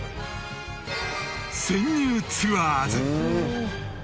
潜入ツアーズ！